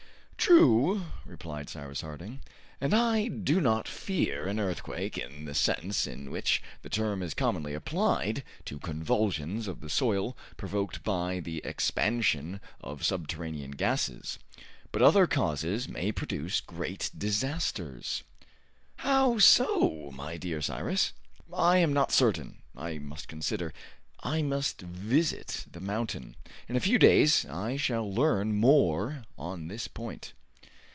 "True," replied Cyrus Harding, "and I do not fear an earthquake in the sense in which the term is commonly applied to convulsions of the soil provoked by the expansion of subterranean gases. But other causes may produce great disasters." "How so, my dear Cyrus?' "I am not certain. I must consider. I must visit the mountain. In a few days I shall learn more on this point."